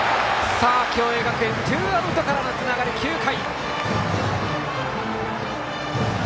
さあ、共栄学園ツーアウトからのつながり、９回。